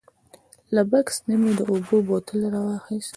له بکس نه مې د اوبو بوتل راواخیست.